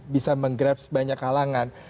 bisa meng grab sebanyak kalangan